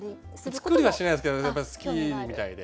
作りはしないですけど好きみたいで。